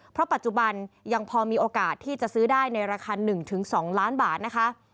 เพราะปัจจุบันยังพอมีโอกาสที่จะซื้อได้ในราคา๑๒ล้านบาทนะคะ